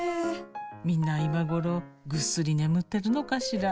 みんな今頃ぐっすり眠ってるのかしら？